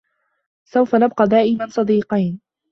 سوف نبق دائما صديقين.